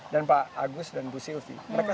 dan pak agus dan bu sylvie mereka